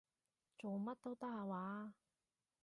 做乜都得下話？